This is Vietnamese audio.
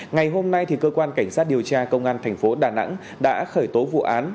ngày hôm nay cơ quan cảnh sát điều tra công an thành phố đà nẵng đã khởi tố vụ án